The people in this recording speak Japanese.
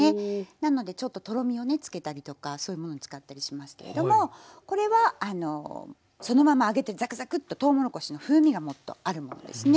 なのでちょっととろみをねつけたりとかそういうものに使ったりしますけれどもこれはそのまま揚げてザクザクッととうもろこしの風味がもっとあるものですね。